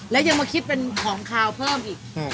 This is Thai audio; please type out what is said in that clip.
แล้วยังมาคิดเป็นของขาวเพิ่มอีก